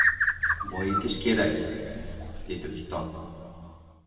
—Boyitish kerak! — dedi Ustod.